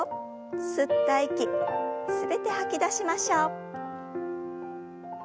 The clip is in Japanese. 吸った息全て吐き出しましょう。